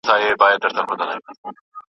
دا هغه تاریخ دی چي زموږ هويت ټاکي.